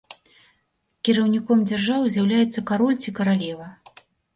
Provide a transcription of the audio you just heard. Кіраўніком дзяржавы з'яўляецца кароль ці каралева.